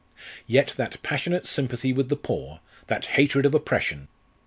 Yet that passionate sympathy with the poor that hatred of oppression?